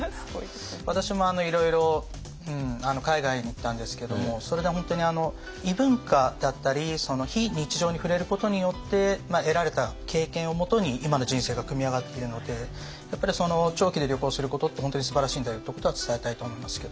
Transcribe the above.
私もいろいろ海外に行ったんですけどもそれで本当に異文化だったり非日常に触れることによって得られた経験をもとに今の人生が組み上がっているのでやっぱり長期で旅行することって本当にすばらしいんだよってことは伝えたいと思いますけど。